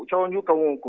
cho nhu cầu